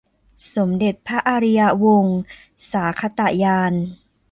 สมเด็จพระอริยวงศาคตญาณ